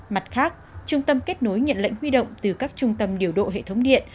mặt khác trung tâm kết nối nhận lệnh huy động từ các trung tâm điều độ hệ thống điện